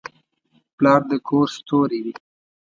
پلار د کور ستوری دی.